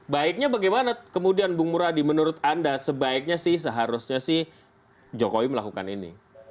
baiknya bagaimana kemudian bung muradi menurut anda sebaiknya sih seharusnya sih jokowi melakukan ini